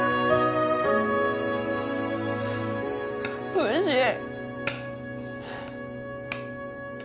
おいしい